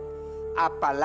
selain kepada allah